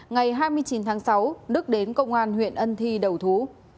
ngày hai mươi chín tháng sáu đức đến công an huyện ân thi đầu thú